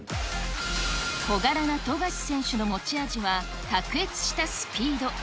小柄な富樫選手の持ち味は、卓越したスピード。